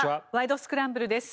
スクランブル」です。